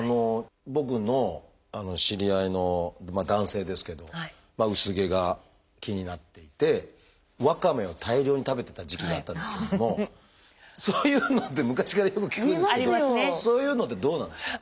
僕の知り合いの男性ですけど薄毛が気になっていてワカメを大量に食べてた時期があったんですけれどもそういうのって昔からよく聞くんですけどそういうのってどうなんですか？